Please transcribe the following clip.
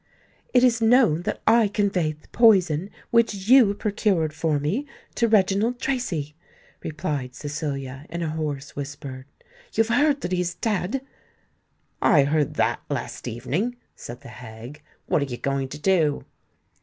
"It is known that I conveyed the poison, which you procured for me, to Reginald Tracy," replied Cecilia, in a hoarse whisper. "You have heard that he is dead?" "I heard that last evening," said the hag. "What are you going to do?"